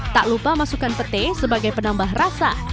tak lupa masukkan petai sebagai penambah rasa